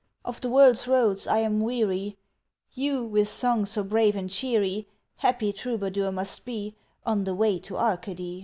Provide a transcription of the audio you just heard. Of the world's roads I am weary You, with song so brave and cheery, Happy troubadour must be On the way to Arcady?"